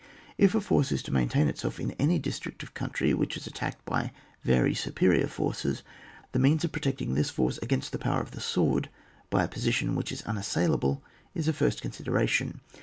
If a force is to maintain itself in any district of country which is attacked by very superior forces, the means of pro tecting this force against the power of the sword by a position which is unas sailable is a first consideration.